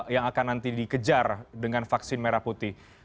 yang akan nanti dikejar dengan vaksin merah putih